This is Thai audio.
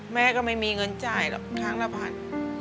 แม่ก็ไม่มีเงินจ่ายหรอกครั้งละพัน